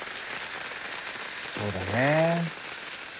そうだね。